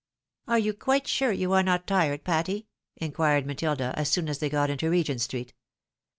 "Are you quite sure you are not tired, Patty ?" inquired Matilda, as soon as they got into Regent street.